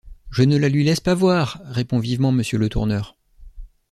Je ne la lui laisse pas voir! répond vivement Monsieur Letourneur.